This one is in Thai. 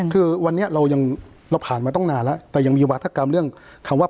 คือวันนี้เรายังเราผ่านมาตั้งนานแล้วแต่ยังมีวาธกรรมเรื่องคำว่า